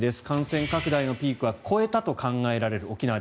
感染拡大のピークは越えたと沖縄では考えられる。